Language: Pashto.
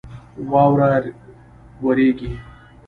واوره رېږي.